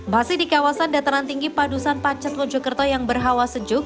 masih di kawasan dataran tinggi padusan pacet mojokerto yang berhawa sejuk